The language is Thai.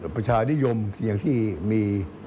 ประชานิยมอย่างที่มี